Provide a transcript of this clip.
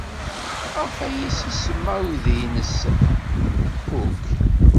Maɣef ay as-isemma i uydi-nnes Cook?